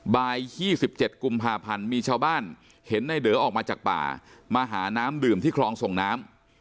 บ่าย๒๗กุมภาพันธ์มีชาวบ้านเห็นในเดอออกมาจากป่ามาหาน้ำดื่มที่คลองส่งน้ำ